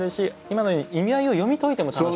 今のように意味合いを読み解いても楽しい。